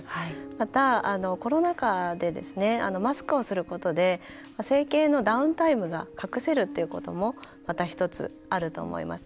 また、コロナ禍でマスクをすることで整形のダウンタイムが隠せるってこともまた１つあると思います。